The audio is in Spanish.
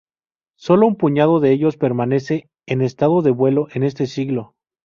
Solo un puñado de ellos permanece en estado de vuelo en este siglo.